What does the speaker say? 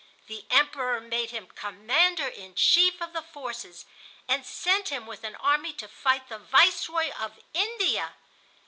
The Emperor made him commander in chief of the forces, and sent him with an army to fight the Viceroy of India.